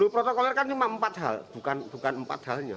protokoler kan cuma empat hal bukan empat halnya